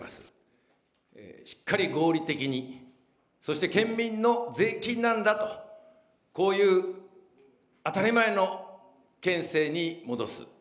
しっかり合理的に、そして県民の税金なんだと、こういう当たり前の県政に戻す。